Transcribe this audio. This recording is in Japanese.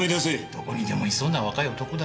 どこにでもいそうな若い男だよ。